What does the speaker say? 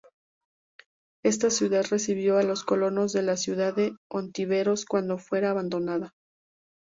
Esta ciudad recibió a los colonos de la Villa de Ontiveros cuando fuera abandonada.